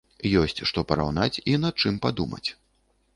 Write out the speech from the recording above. Ёсць што параўнаць і над чым падумаць.